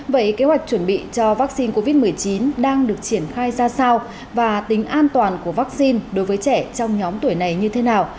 vậy kế hoạch chuẩn bị cho vaccine covid một mươi chín đang được triển khai ra sao và tính an toàn của vaccine đối với trẻ trong nhóm tuổi này như thế nào